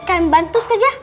kalian bantu ustaz ya